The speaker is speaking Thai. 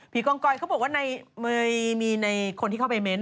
พี่กองก้อยเขาบอกมีคนที่เข้าไปเม้นต์อ่ะ